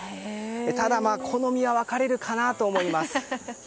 ただ好みは分かれるかなと思います。